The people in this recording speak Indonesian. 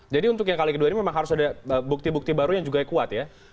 jadi untuk yang kali kedua ini memang harus ada bukti bukti baru yang juga kuat ya